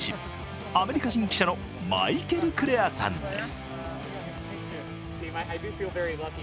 アメリカ人記者のマイケル・クレアさんです。